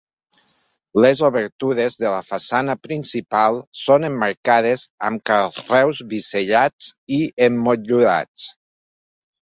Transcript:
Les obertures de la façana principal són emmarcades amb carreus bisellats i emmotllurats.